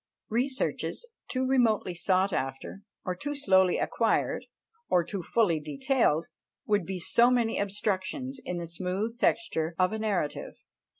Researches too remotely sought after, or too slowly acquired, or too fully detailed, would be so many obstructions in the smooth texture of a narrative.